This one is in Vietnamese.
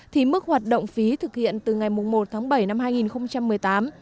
thì mức hoạt động phí thực hiện từ ngày một tháng bảy năm hai nghìn một mươi tám